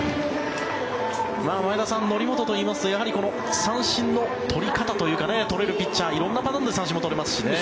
前田さん、則本といいますとやはりこの三振の取り方といいますか取れるピッチャー色んなパターンで三振も取れますしね。